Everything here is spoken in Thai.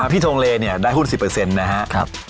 พี่ธงเรได้ผู้ใช้๑๐เปอร์เซ็นต์นะครับ